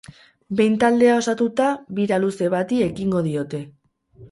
Behin taldea osatuta, bira luze bati ekingo diote.